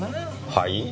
はい？